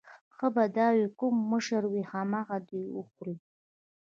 ښه به دا وي کوم مشر وي همغه دې وخوري.